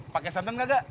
pakai santan gak